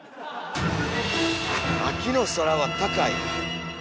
秋の空は高い？